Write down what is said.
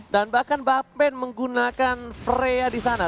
dan bahkan bang pen menggunakan freya di sana